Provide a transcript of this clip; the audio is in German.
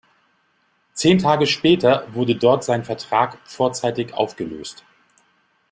Zehn Tage später wurde dort sein Vertrag vorzeitig aufgelöst.